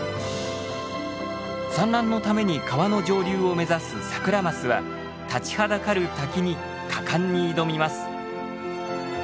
産卵のために川の上流を目指すサクラマスは立ちはだかる滝に果敢に挑みます。